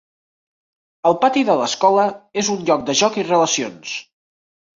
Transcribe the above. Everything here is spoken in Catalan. El pati de l'escola és un lloc de joc i relacions.